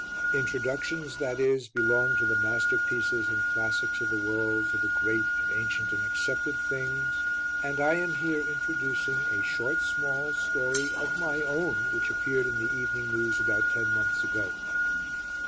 Introductions, that is, belong to the masterpieces and classics of the world, to the great and ancient and accepted things; and I am here introducing a short, small story of my own which appeared in The Evening News about ten months ago.